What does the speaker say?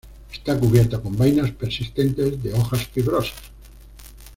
Está cubierta con vainas persistentes, de hojas fibrosas.